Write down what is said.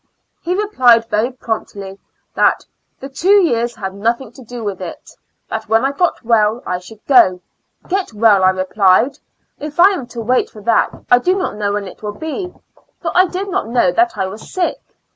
He replied very promptly, that the two years had nothing to do with it ; that when I got well I should go." " Get well !" I replied, " if I am to wait for that I do not know when it will be, for I did not know that I was sick."